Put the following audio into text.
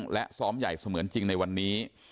และซ้อมใหญ่เสมือนจริงในวันนี้